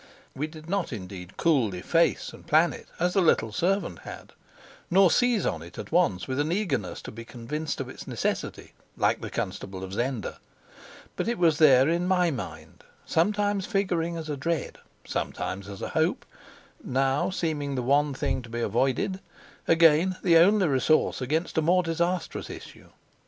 We did not indeed coolly face and plan it, as the little servant had, nor seize on it at once with an eagerness to be convinced of its necessity, like the Constable of Zenda; but it was there in my mind, sometimes figuring as a dread, sometimes as a hope, now seeming the one thing to be avoided, again the only resource against a more disastrous issue.